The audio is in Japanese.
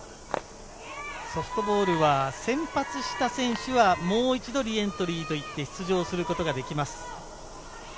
ソフトボールは先発した選手はもう一度リエントリーといって出場することができます。